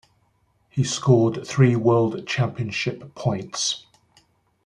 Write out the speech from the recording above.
He scored three World Championship points.